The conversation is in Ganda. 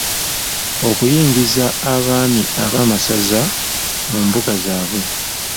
Okuyingiza Abaami Ab'amasaza mu Mbuga zaabwe.